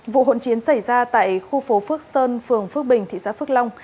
vụ hỗn chiến xảy ra tại khu phố phước sơn phường phước bình thị xã phước long